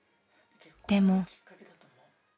［でも］